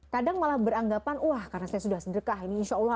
kadang malah beranggapan wah karena saya sudah sedekah